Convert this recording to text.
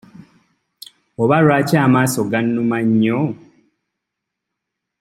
Oba lwaki amaaso gannuma nnyo?